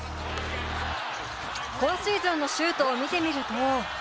今シーズンのシュートを見てみると。